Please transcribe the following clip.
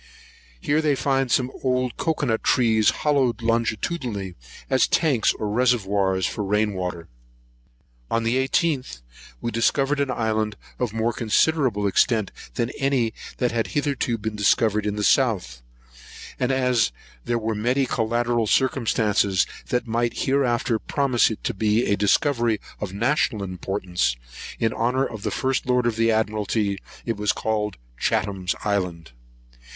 Here they find some old cocoa trees hollowed longitudinally, as tanks or reservoirs for the rain water. On the 18th, we discovered an island of more considerable extent than any island that has hitherto been discovered in the south; and as there were many collateral circumstances which might hereafter promise it to be a discovery of national importance, in honour of the first lord of the admiralty, it was called Chatham's Island.